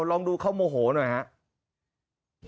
ลองดูเขาโมโหหน่อยครับ